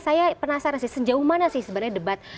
saya penasaran sih sejauh mana sih sebenarnya debat